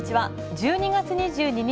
１２月２２日